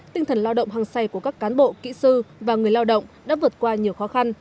tinh thần lao động hăng say của các cán bộ kỹ sư và người lao động đã vượt qua nhiều khó khăn